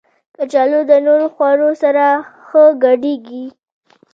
کچالو د نورو خوړو سره ښه ګډېږي